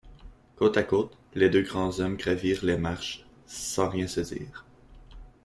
Côte à côte, les deux grands hommes gravirent les marches, sans rien se dire.